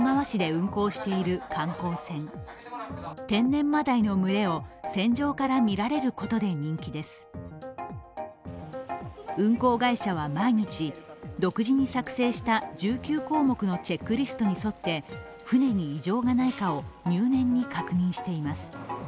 運航会社は毎日独自に作成した１９項目のチェックリストに沿って船に異常がないかを入念に確認しています。